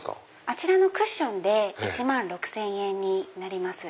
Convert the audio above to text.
あちらのクッションで１万６０００円になります。